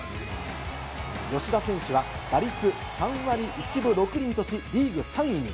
吉田選手は打率３割１分６厘とし、リーグ３位に。